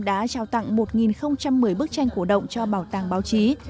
đã trao tặng một một mươi bức tranh cổ động cho bảo tàng báo chí